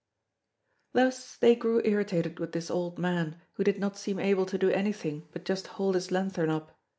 Thus they grew irritated with this old man who did not seem able to do anything but just hold his lanthorn up.